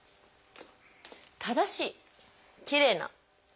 正しいきれいな。